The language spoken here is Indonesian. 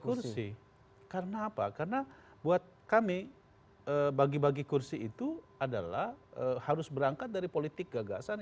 kursi karena apa karena buat kami bagi bagi kursi itu adalah harus berangkat dari politik gagasan